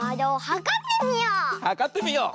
はかってみよう！